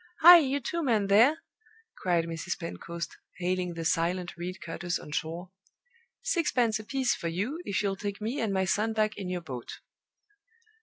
Hi! you two men there!" cried Mrs. Pentecost, hailing the silent reed cutters on shore. "Sixpence apiece for you, if you'll take me and my son back in your boat!"